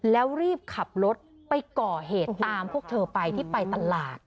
แล้วรีบขับรถไปก่อเหตุตามพวกเธอไปที่ไปตลาด